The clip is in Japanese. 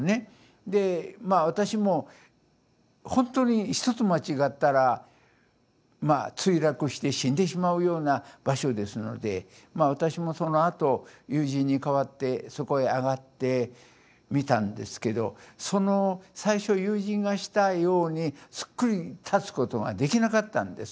で私も本当に一つ間違ったら墜落して死んでしまうような場所ですので私もそのあと友人に代わってそこへ上がってみたんですけどその最初友人がしたようにすっくり立つことができなかったんです。